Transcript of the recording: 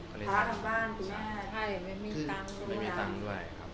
ก็เลยบ้างนะ